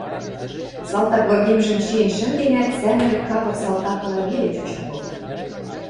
Салтак выргемжӹм чиэн шӹнденӓт, сӓмӹрӹк кавыр салтакла веле чучын колта...